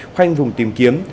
khoanh vùng tìm kiếm